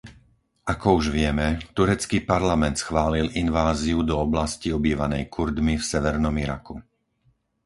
Ako už vieme, turecký parlament schválil inváziu do oblasti obývanej Kurdmi v severnom Iraku.